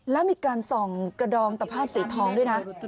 แล้วมีการส่องกระดองตะภาพสีทองด้วยนะ